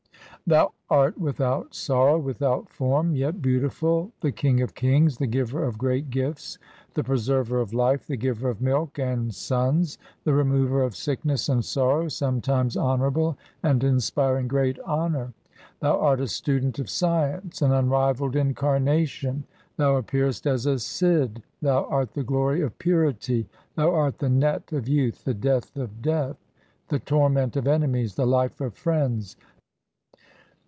Thou art without sorrow, without form, yet beautiful, the King of kings, the Giver of great gifts. The Preserver of life, the Giver of milk and sons, the Remover of sickness and sorrow, sometimes honourable and inspiring great honour. Thou art a student of science, an unrivalled incarnation, Thou appearest as a Sidh, Thou art the glory of purity. Thou art the net 1 of youth, the death of Death, the torment of enemies, the life of friends.